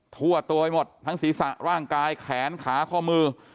ทั่วตัวไปหมดทั้งศีรษะร่างกายแขนขาข้อมือ